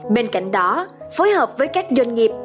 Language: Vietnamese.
bên cạnh đó phối hợp với các doanh nghiệp